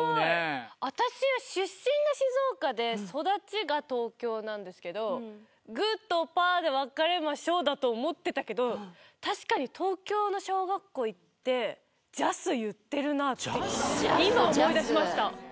私は出身が静岡で育ちが東京なんですけど「グーとパーでわかれましょ」だと思ってたけど確かに東京の小学校行って「ジャス」言ってるなって今思い出しました。